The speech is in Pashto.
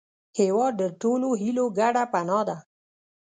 هېواد د ټولو هیلو ګډه پناه ده.